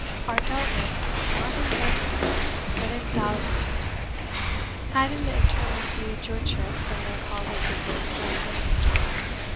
are dealt with not in dozens but in thousands), had in the interim received your chit from their colleagues of the Dirty Linen Store.